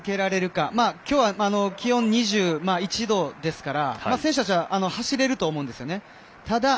今日は気温２１度ですから選手は走れると思うんですね。